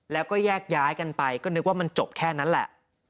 แล้วก็แยกย้ายกันไปก็นึกว่ามันจบแค่นั้นแหละ